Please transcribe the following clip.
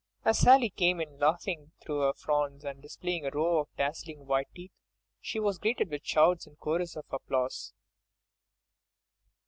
As Sally came in, laughing through her frowns, and displaying a row of dazzling white teeth, she was greeted with shouts and chorus of applause.